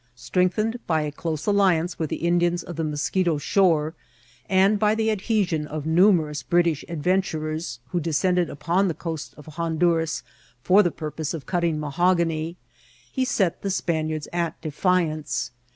Strength* ened by a dose alliance with the Indians of the Mos* cheto shore, and by the adhesion of numerous British adventurers, who descended upon the coast of Honduras for the purpose of cutting mahogany, he set the Span* iards at defiance.